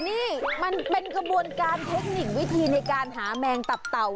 นี่มันเป็นกระบวนการเทคนิควิธีในการหาแมงตับเต่า